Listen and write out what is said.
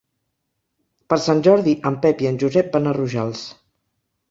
Per Sant Jordi en Pep i en Josep van a Rojals.